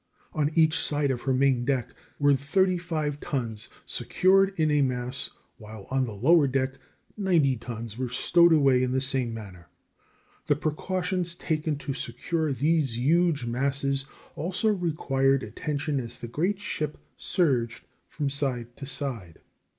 On each side of her main deck were thirty five tons, secured in a mass, while on the lower deck ninety tons were stowed away in the same manner. The precautions taken to secure these huge masses also required attention as the great ship surged from side to side.